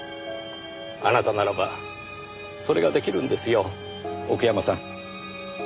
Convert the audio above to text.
あなたならばそれが出来るんですよ奥山さん。